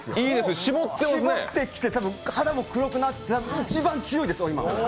しぼってきて、肌も黒くなって一番強いです、今。